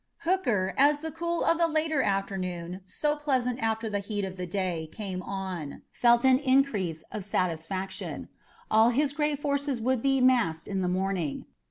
Hooker, as the cool of the later afternoon, so pleasant after the heat of the day, came on, felt an increase of satisfaction. All his great forces would be massed in the morning.